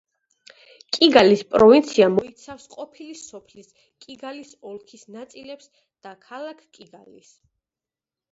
კიგალის პროვინცია მოიცავს ყოფილი სოფლის კიგალის ოლქის ნაწილებს და ქალაქ კიგალის.